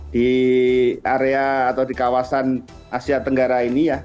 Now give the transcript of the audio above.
di area atau di kawasan asia tenggara ini ya